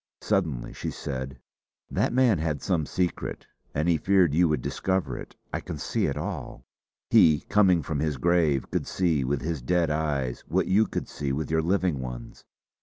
Suddenly she said: "That man had some secret, and he feared you would discover it. I can see it all! He, coming from his grave, could see with his dead eyes what you could see with your living ones.